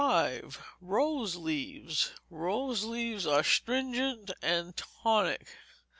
Rose Leaves Rose Leaves are stringent and tonic.